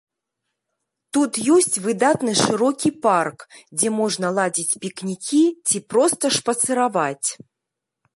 Тут ёсць выдатны шырокі парк, дзе можна ладзіць пікнікі ці проста шпацыраваць.